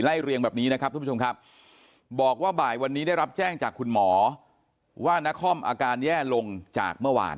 เรียงแบบนี้นะครับทุกผู้ชมครับบอกว่าบ่ายวันนี้ได้รับแจ้งจากคุณหมอว่านครอาการแย่ลงจากเมื่อวาน